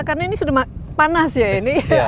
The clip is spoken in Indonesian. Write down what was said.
karena ini sudah panas ya ini